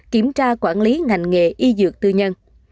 kiểm tra quản lý ngành nghề y dược tư nhân